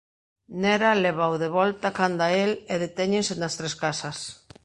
Nera lévao de volta canda el e detéñense nas tres casas.